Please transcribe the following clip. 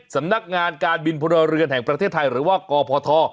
สำนักงานการบินพลเรือนแห่งประเทศไทยหรือว่ากพท